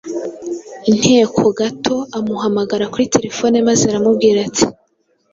inteko gato amuhamagara kuri terefone maze aramubaza ati: